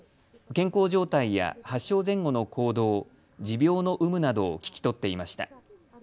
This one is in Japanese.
健康状態や発症前後の行動、持病の有無などを聞き取っていました。